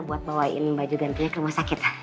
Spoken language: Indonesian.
buat bawain baju gantinya ke rumah sakit